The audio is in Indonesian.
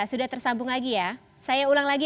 sudah tersambung lagi ya saya ulang lagi